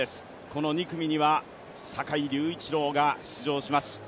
この２組には坂井隆一郎が出場します。